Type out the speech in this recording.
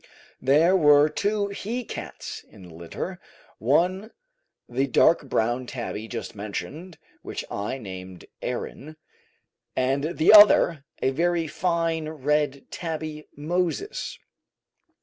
There were two he cats in the litter, one the dark brown tabby just mentioned, which I named Aaron, and the other, a very fine red tabby, Moses.